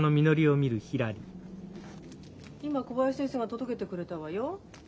今小林先生が届けてくれたわよ。